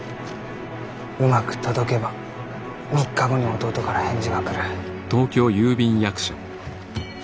うまく届けば３日後に弟から返事が来る。